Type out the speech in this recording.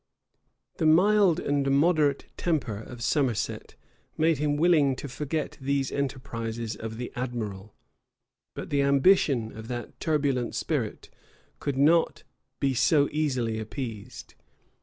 The mild and moderate temper of Somerset made him willing to forget these enterprises of the admiral; but the ambition of that turbulent spirit could not be so easily appeased.